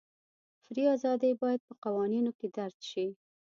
فري ازادۍ باید په قوانینو کې درج شي.